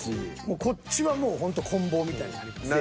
こっちはもうほんとこん棒みたいになりますやん。